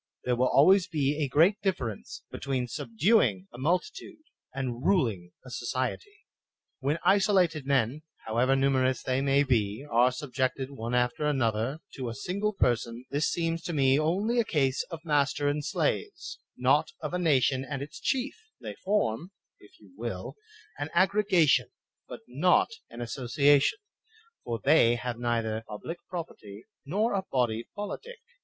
There wUl always be a great difference between subduing a multitude and ruling a society. When isolated men, however numerous they may be, are subjected one after another to a single person, this seems to me only a case of master and slaves, not of a nation and its chief; they form, if you will, an aggregation, but not an association, for they have neither public property nor a body politic.